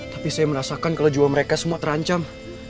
tapi saya merasakan kalau jiwa mereka semua terancam